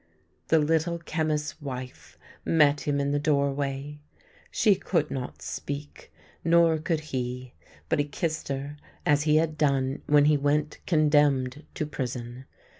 The Little Chemist's wife met him in the doorway. She could not speak, nor could he, but he kissed her as he had done when he went condemned to prison.